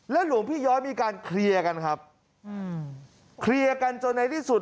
หลวงพี่ย้อยมีการเคลียร์กันครับอืมเคลียร์กันจนในที่สุด